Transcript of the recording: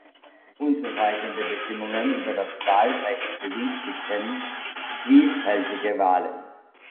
Unzureichende Bestimmungen über das Wahlrecht begünstigten zwiespältige Wahlen.